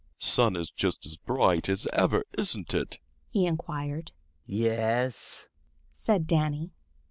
"Sun is just as bright as ever, isn't it?" he inquired. "Yes," said Danny.